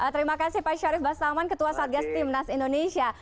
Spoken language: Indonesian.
terima kasih pak syarif bastaman ketua satgas timnas indonesia